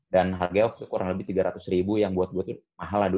dan harganya waktu itu kurang lebih tiga ratus ribu yang buat gue tuh mahal lah